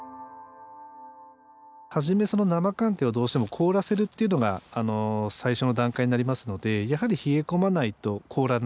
はじめ生寒天をどうしても凍らせるっていうのが最初の段階になりますのでやはり冷え込まないと凍らない。